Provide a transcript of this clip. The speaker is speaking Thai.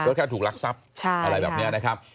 ก็แค่ถูกรักทรัพย์อะไรแบบนี้นะครับ